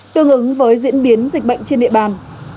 tương ứng với diễn biến dịch bệnh trên địa bàn